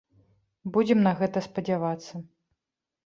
Будзем на гэта спадзявацца.